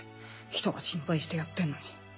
人が心配してやってんのに。